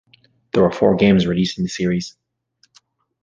There were four games released in the series.